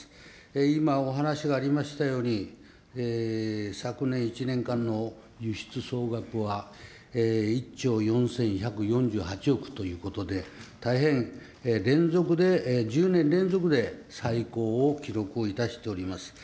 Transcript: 今お話がありましたように、昨年１年間の輸出総額は、１兆４１４８億ということで、大変、連続で、１０年連続で最高を記録をいたしております。